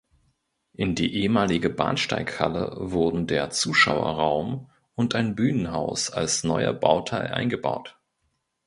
In die ehemalige Bahnsteighalle wurden der Zuschauerraum und ein Bühnenhaus als neuer Bauteil eingebaut.